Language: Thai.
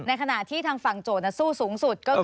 ขณะที่ทางฝั่งโจทย์สู้สูงสุดก็คือ